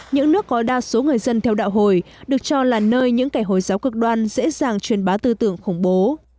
những nước có đa số người dân theo đạo hồi được cho là nơi những kẻ hồi giáo cực đoan dễ dàng truyền bá tư tưởng khủng bố